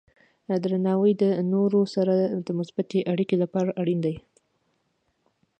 درناوی د نورو سره د مثبتې اړیکې لپاره اړین دی.